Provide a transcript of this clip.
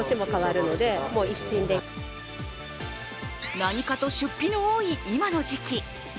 何かと出費の多い今の時期。